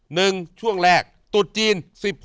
หนึ่งช่วงแรกตรวจจีน